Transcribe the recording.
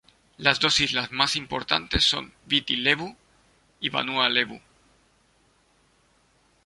Las dos islas más importantes son Viti Levu y Vanua Levu.